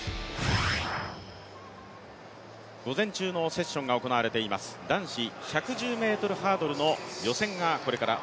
午前中のセッションが行われています、男子１１０ｍハードルの予選です。